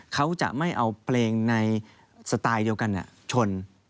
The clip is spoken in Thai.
เขาจะไม่เอาเพลงในสไตล์เดียวกันชน